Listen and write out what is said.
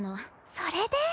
それで。